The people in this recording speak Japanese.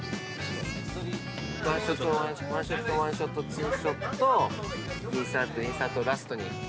ワンショットワンショットワンショットツーショットインサートインサートラストにあの絵って感じ。